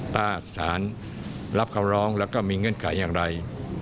ถ้าสารรับคำร้องแล้วก็มีเงื่อนไขอย่างไร